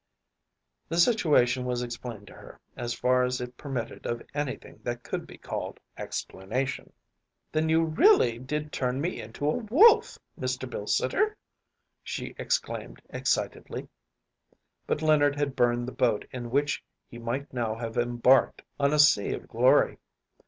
‚ÄĚ The situation was explained to her, as far as it permitted of anything that could be called explanation. “Then you really did turn me into a wolf, Mr. Bilsiter?‚ÄĚ she exclaimed excitedly. But Leonard had burned the boat in which he might now have embarked on a sea of glory.